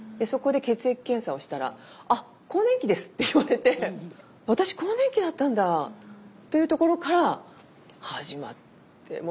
そこで血液検査をしたら「あっ更年期です」って言われて「私更年期だったんだ」というところから始まって。